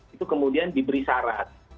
itu kemudian diberi syarat